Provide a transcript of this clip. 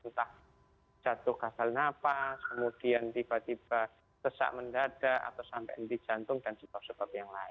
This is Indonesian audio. entah jatuh gagal nafas kemudian tiba tiba sesak mendadak atau sampai di jantung dan sebagainya